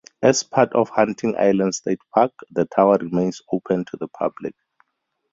As part of Hunting Island State Park, the tower remains open to the public.